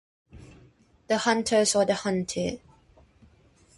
The Hunters or the Hunted?